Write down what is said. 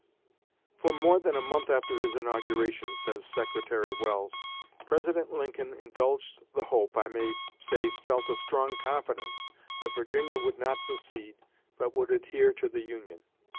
"For more than a month after his inauguration," says Secretary Welles, "President Lincoln indulged the hope, I may say felt a strong confidence, that Virginia would not secede but would adhere to the Union....